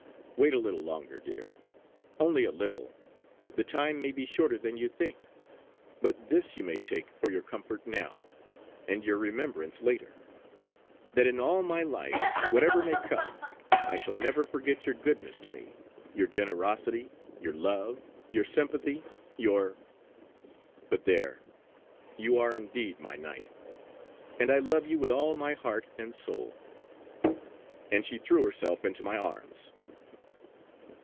Wait a little longer, dear. Only a little; the time may be shorter than you think. But this you may take for your comfort now, and your remembrance later; that in all my life, whatever may come, I shall never forget your goodness to me, your generosity, your love, your sympathy your ! But there, you are indeed my Knight; and I love you with all my heart and soul!" and she threw herself into my arms.